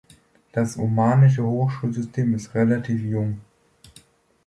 Das omanische Hochschulsystem ist relativ jung.